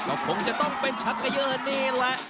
ก็คงจะต้องเป็นชักเกยอร์นี่แหละ